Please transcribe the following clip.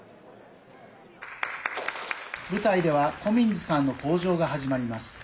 舞台ではコミンズさんの口上が始まります。